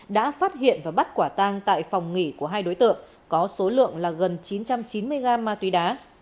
đã phát hiện và bắt quả tang tại phòng nghỉ của hai đối tượng có số lượng là gần chín trăm chín mươi gram ma túy đá